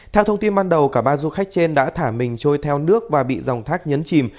theo thông tin ban đầu cả ba du khách trên đã thả mình trôi theo nước và bị dòng thác nhấn chìm